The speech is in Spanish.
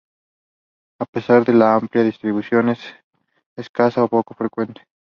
A pesar de la amplia distribución es escasa o poco frecuente.